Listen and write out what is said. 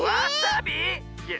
いや